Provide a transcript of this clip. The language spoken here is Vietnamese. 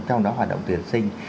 trong đó hoạt động tuyển sinh